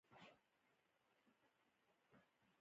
پراختیا نه ده کړې.